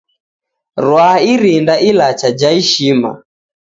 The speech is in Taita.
Rwaa irinda ilacha ja ishima.